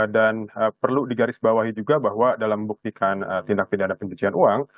dan perlu digarisbawahi juga bahwa dalam membuktikan tindak pidana pencucian uang